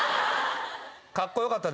カッコ良かったですか？